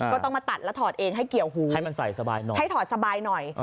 ก็ต้องมาตัดแล้วถอดเองให้เกี่ยวฮูให้ถอดสบายหน่อย